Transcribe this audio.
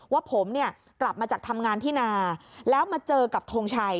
ว่าผมเนี่ยกลับมาจากทำงานที่นาแล้วมาเจอกับทงชัย